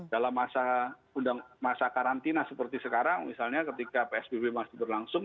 dalam masa karantina seperti sekarang misalnya ketika psbb masih berlangsung